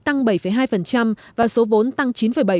tăng bảy hai và số vốn tăng chín bảy